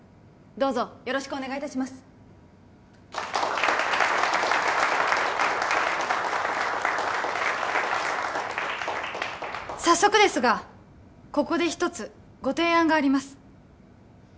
どうぞよろしくお願いいたします早速ですがここで一つご提案があります